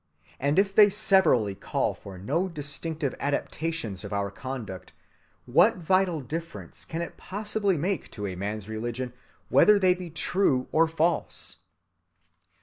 And if they severally call for no distinctive adaptations of our conduct, what vital difference can it possibly make to a man's religion whether they be true or false?